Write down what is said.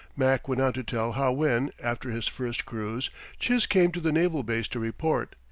Mac went on to tell how when, after his first cruise, Chiz came to the naval base to report.